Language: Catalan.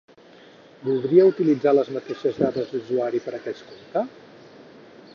Voldria utilitzar les mateixes dades d'usuari per aquest compte?